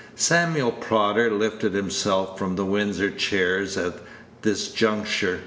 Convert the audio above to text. Samuel Prodder lifted himself from the Windsor chairs at this juncture.